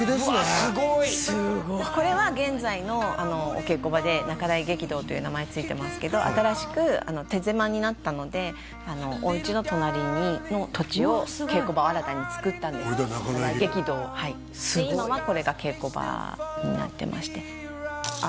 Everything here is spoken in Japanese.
すごいすごいこれは現在のあのお稽古場で仲代劇堂という名前ついてますけど新しくあの手狭になったのであのおうちの隣の土地を稽古場を新たにつくったんですけどこれが仲代劇堂はい今はこれが稽古場になってましてあっ